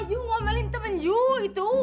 you ngomelin temen you itu